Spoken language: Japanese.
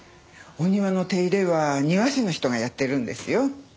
お庭の手入れは庭師の人がやってるんですよ。